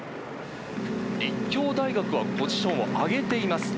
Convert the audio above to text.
立教大学はポジションを上げています。